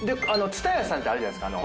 津多屋さんってあるじゃないですか。